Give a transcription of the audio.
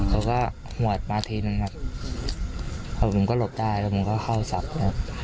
เขาก็หวดมาทีนึงครับผมก็หลบได้แล้วผมก็เข้าศัพท์ครับ